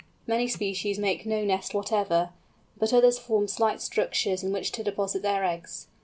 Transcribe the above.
Many species make no nest whatever, but others form slight structures in which to deposit their eggs.